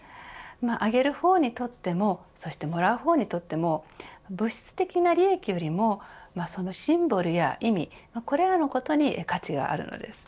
あげる方にとってもそして、もらう方にとっても物質的な利益よりもそのシンボルや意味これらのことに価値があるのです。